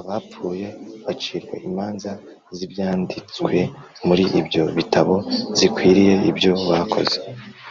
Abapfuye bacirwa imanza z’ibyanditswe muri ibyo bitabo zikwiriye ibyo bakoze.